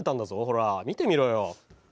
ほら見てみろよ。